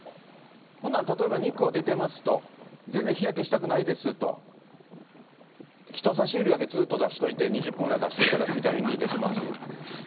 ほんなん例えば日光出てますと、全然日焼けしたくないですと、人さし指だけつーっと出しておいて、２０分ぐらい出しといたらビタミンＤ出来ます？